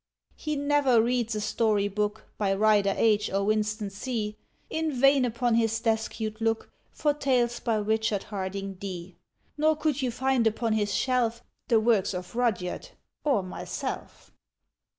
He never reads a story book By Rider H. or Winston C., In vain upon his desk you'd look For tales by Richard Harding D.; Nor could you find upon his shelf The works of Rudyard or myself!